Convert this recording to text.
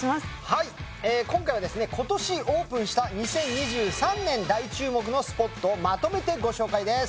はい今回はですね今年オープンした２０２３年大注目のスポットをまとめてご紹介です